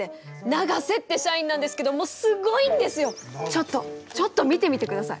ちょっとちょっと見てみてください。